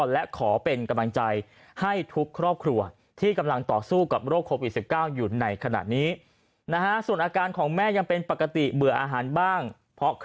และขอเป็นกำลังใจให้ทุกครอบครัว